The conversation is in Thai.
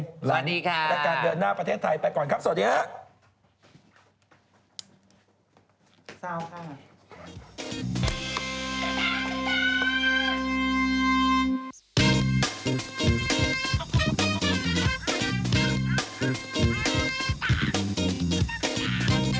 สวัสดีค่ะและการเดินหน้าประเทศไทยไปก่อนครับสวัสดีครับ